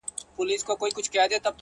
• پر اوښتي تر نیوي وه زیات کلونه,